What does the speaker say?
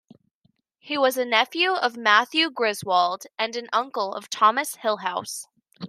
He was a nephew of Matthew Griswold and an uncle of Thomas Hillhouse.